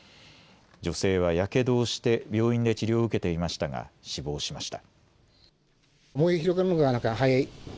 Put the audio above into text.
女性はやけどをして病院で治療を受けていましたが死亡しました。